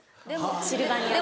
シルバニアの。